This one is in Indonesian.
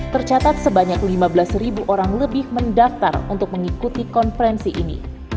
tercatat sebanyak lima belas orang lebih mendaftar untuk mengikuti konferensi ini